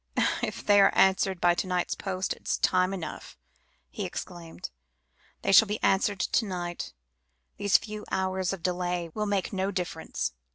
"If they are answered by to night's post, it is time enough," he exclaimed. "They shall be answered to night; these few hours of delay will make no difference."